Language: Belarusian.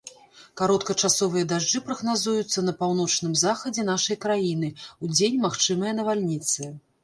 Кароткачасовыя дажджы прагназуюцца на паўночным захадзе нашай краіны, удзень магчымыя навальніцы.